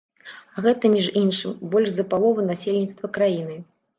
А гэта, між іншым, больш за палову насельніцтва краіны.